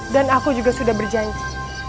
dan aku juga sudah berjanji